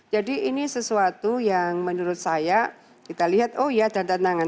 jadi ini sesuatu yang menurut saya kita lihat oh iya ada tantangan